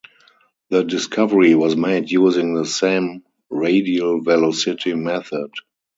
The discovery was made using the same radial velocity method.